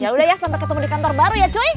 yaudah ya sampai ketemu di kantor baru ya cuy